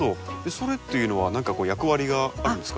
それっていうのは何か役割があるんですか？